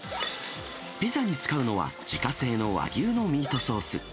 ピザに使うのは、自家製の和牛のミートソース。